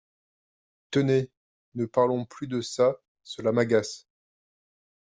Tenez, ne parlons plus de ça, cela m’agace !…